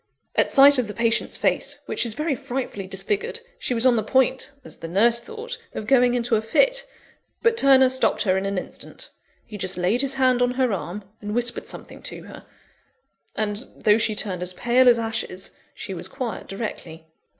At sight of the patient's face, which is very frightfully disfigured, she was on the point (as the nurse thought) of going into a fit; but Turner stopped her in an instant. He just laid his hand on her arm, and whispered something to her; and, though she turned as pale as ashes, she was quiet directly.